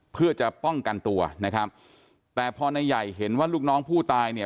เพื่อจะป้องกันตัวนะครับแต่พอนายใหญ่เห็นว่าลูกน้องผู้ตายเนี่ย